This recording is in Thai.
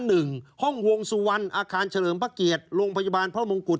ห้องวงสุวรรณอาคารเฉลิมพระเกียรติโรงพยาบาลพระมงกุฎ